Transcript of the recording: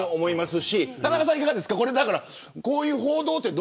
田中さん、いかがですか。